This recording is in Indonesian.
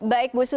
baik bu susi